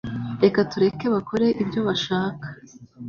Reka tureke bakore ibyo bashaka